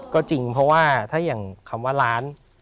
ก็จริงเพราะว่าถ้าอย่างคำว่าร้าน